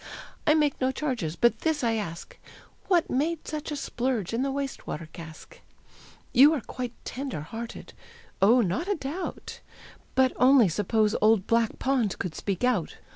I make no charges, but this I ask, What made such a splurge in the waste water cask? You are quite tender hearted. Oh, not a doubt! But only suppose old Black Pond could speak out.